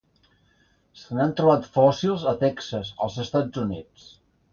Se n'han trobat fòssils a Texas, als Estats Units.